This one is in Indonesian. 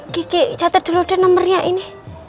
kiki catat dulu deh nomernya ini